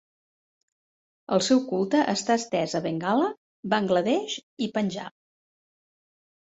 El seu culte està estès a Bengala, Bangla Desh i Panjab.